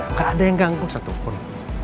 enggak ada yang ganggu saat tukun